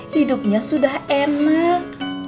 hidupnya sudah enak